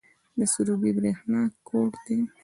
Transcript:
د سروبي بریښنا کوټ دی